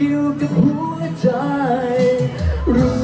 มาด้วยนะครับ